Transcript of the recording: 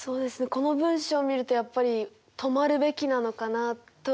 この文章を見るとやっぱり止まるべきなのかなとは思いますね。